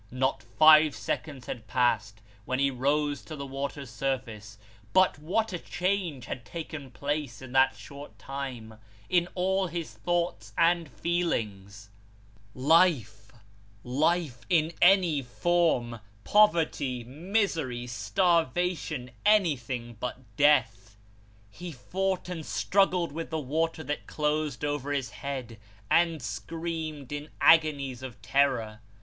Not five seconds had passed when he rose to the water's surface but what a change had taken place in that short time, in all his thoughts and feelings ! Life life in any form, poverty, misery, star vation anything but death. He fought and struggled with the water that closed over his head, and screamed in agonies of terror.